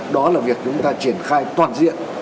đó là việc chúng ta triển khai toàn diện